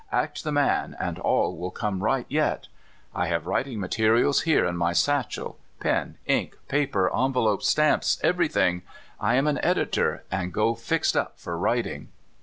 Act the man, and all will come right yet. I have writing mate rials here in my satchel — pen, ink, paper, envel opes, stamps, ever3^thing; I am an editor, and go fixed up for writing."